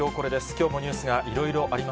きょうもニュースがいろいろあり